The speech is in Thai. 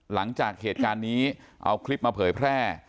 หลังจากเหตุการณ์นี้เอาคลิปมาเผยแพร่